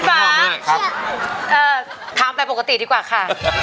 เออทำแปลปกติดีกว่าค่ะ